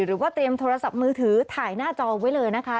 หรือว่าเตรียมโทรศัพท์มือถือถ่ายหน้าจอไว้เลยนะคะ